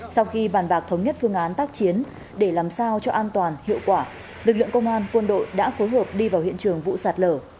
sau khi bàn bạc thống nhất phương án tác chiến để làm sao cho an toàn hiệu quả lực lượng công an quân đội đã phối hợp đi vào hiện trường vụ sạt lở